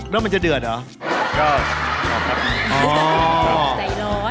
แล้วมันจะเดือดเหรอ